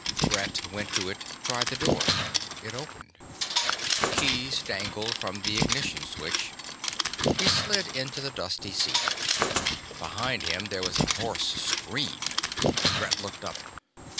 Brett went to it, tried the door. It opened. Keys dangled from the ignition switch. He slid into the dusty seat. Behind him there was a hoarse scream. Brett looked up.